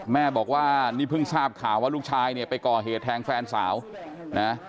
แม่บอกว่านี่เพิ่งทราบข่าวว่าลูกชายเนี่ยไปก่อเหตุแทงแฟนสาวนะ